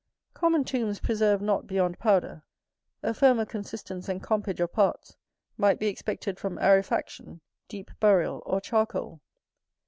Common tombs preserve not beyond powder: a firmer consistence and compage of parts might be expected from arefaction, deep burial, or charcoal.